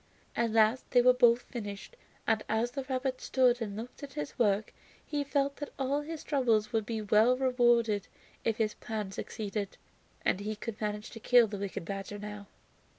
At last they were both finished, and as the rabbit stood and looked at his work he felt that all his trouble would be well rewarded if his plan succeeded, and he could manage to kill the wicked badger now.